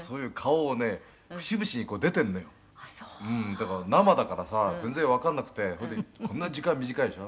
「だから生だからさ全然わかんなくてそれでこんな時間短いでしょ？」